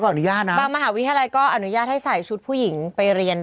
ก็อันยาธรรมราชาแหลกก็อนุญาตให้ใส่ชุดผู้หญิงไปเรียนได้